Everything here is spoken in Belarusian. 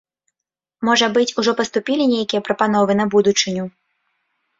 Можа быць, ужо паступілі нейкія прапановы на будучыню?